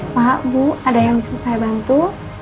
pak bu ada yang bisa saya bantu